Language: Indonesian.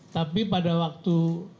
tapi pada waktu